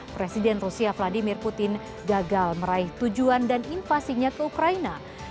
presiden rusia vladimir putin gagal meraih tujuan dan invasinya ke ukraina